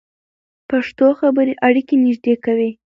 پښتو خبرې اړیکې نږدې کوي.